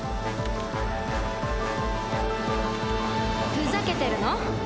ふざけてるの？